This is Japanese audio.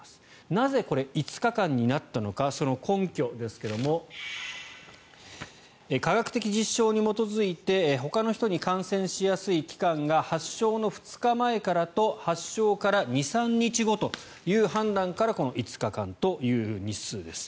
なぜ、これ５日間になったのかその根拠ですが科学的実証に基づいてほかの人に感染しやすい期間が発症の２日前からと発症から２３日後という判断からこの５日間という日数です。